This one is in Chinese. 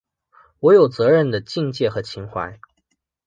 我有责任的境界和情怀